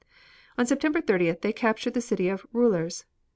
On September 30th they captured the city of Roulers.